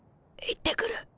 行ってくる。